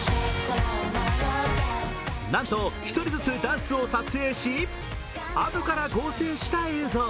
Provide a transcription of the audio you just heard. なんと、１人ずつダンスを撮影し、あとから合成した映像。